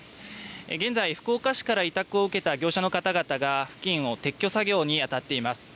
現在、福岡市から委託を受けた業者の方々が、付近を撤去作業に当たっています。